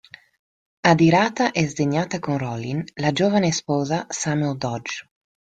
Adirata e sdegnata con Rolin, la giovane sposa Samuel Dodge.